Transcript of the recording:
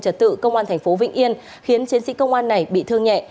trật tự công an thành phố vĩnh yên khiến chiến sĩ công an này bị thương nhẹ